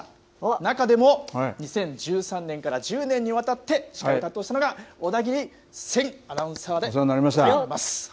中でも２０１３年から１０年にわたって司会を担当したのが小田切お世話になりました。